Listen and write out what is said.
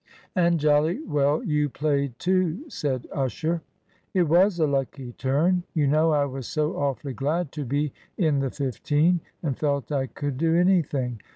"And jolly well you played too," said Usher. "It was a lucky turn. You know I was so awfully glad to be in the fifteen, and felt I could do anything.